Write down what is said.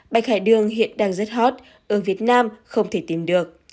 bạch hải đường hiện đang rất hot ở việt nam không thể tìm được